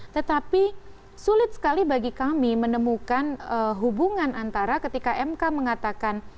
tetapi sulit sekali bagi kami menemukan hubungan antara ketika mk mengatakan